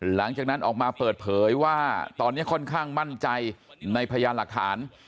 หลังจากนั้นออกมาเปิดเผยว่าตอนนี้ค่อนข้างมั่นใจในพยานหลักฐาน